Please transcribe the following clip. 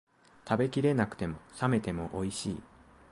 食べきれなくても、冷めてもおいしい